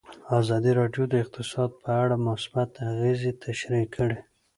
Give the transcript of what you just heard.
ازادي راډیو د اقتصاد په اړه مثبت اغېزې تشریح کړي.